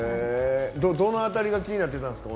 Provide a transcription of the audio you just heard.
どの辺りが気になってたんですか？